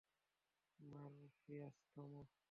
Morpheus, থামো!